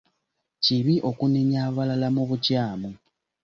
Kibi okunenya abalala mu bukyamu.